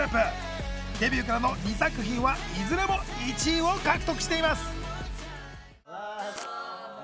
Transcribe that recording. デビューからの２作品はいずれも１位を獲得しています。